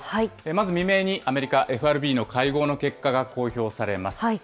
まず未明にアメリカＦＲＢの会合の結果が公表されます。